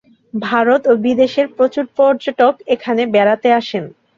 ভারত ও বিদেশের প্রচুর পর্যটক এখানে বেড়াতে আসেন।